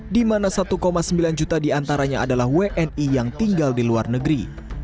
di mana satu sembilan juta diantaranya adalah wni yang tinggal di luar negeri